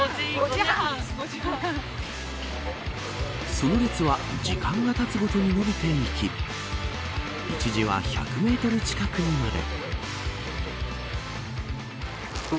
その列は時間がたつごとに伸びていき一時は１００メートル近くにまで。